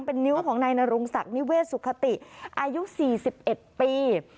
เป็นนิ้วของนายนรงศักดิ์นิเวศสุขติอายุ๔๑ปี